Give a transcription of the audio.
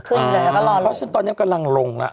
เพราะฉันตอนนี้กำลังลงละ